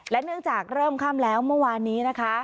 และเนื่องจากเริ่มค่ำแล้วเมื่อวานนี้นะคะ